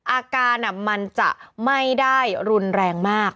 อาการมันจะไม่ได้รุนแรงมาก